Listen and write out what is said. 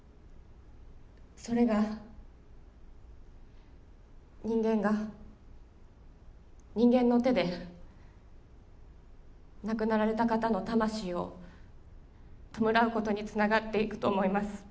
「それが人間が人間の手で亡くなられた方の魂を弔うことにつながっていくと思います」